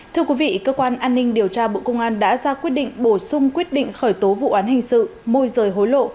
thưa quý vị cơ quan an ninh điều tra bộ công an đã ra quyết định bổ sung quyết định khởi tố vụ án hình sự môi rời hối lộ